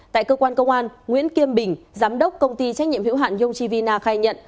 tại cơ quan công an nguyễn kiêm bình giám đốc công ty trách nhiệm hiệu hạn yongchivina khai nhận